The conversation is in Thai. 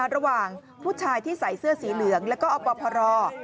ระหว่างผู้ชายที่ใส่เสื้อสีเหลืองแล้วก็อบพร